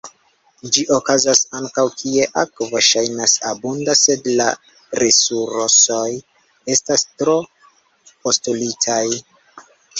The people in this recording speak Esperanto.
Ĝi okazas ankaŭ kie akvo ŝajnas abunda sed la resursoj estas tro-postulitaj.